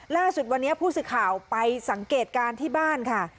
ล่าสุดวันนี้ผู้สื่อข่าวไปสังเกตการณ์ที่บ้านค่ะ